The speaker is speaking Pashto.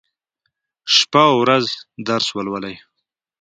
شپه او ورځ درس لولي.